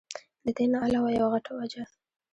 د دې نه علاوه يوه غټه وجه